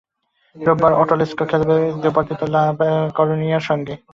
রোববার অ্যাটলেটিকো খেলবে Deportivo la করুনিয়ার সঙ্গে।